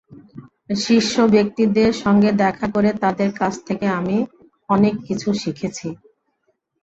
শীর্ষ ব্যক্তিদের সঙ্গে দেখা করে তাঁদের কাছ থেকে আমি অনেক কিছু শিখেছি।